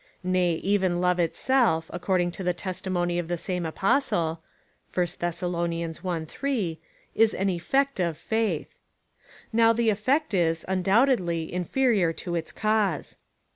Nay, even love itself, according to the testimony of the same Apostle, (1 Thes. i. 3,) is an effect of faith. Now the effect is, undoubtedly, inferior to its cause.